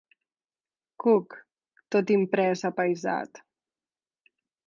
Cook», tot imprès apaïsat.